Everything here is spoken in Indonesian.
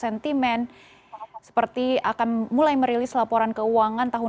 setelah itu kita tidak akan terlalu cukup besar research undang undangnya vm